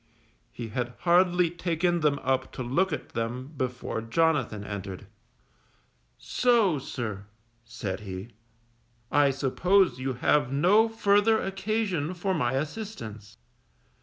He had hardly taken them up to look at them before Jonathan entered. So, sir, said he, _I suppose you have no further occasion for my assistance.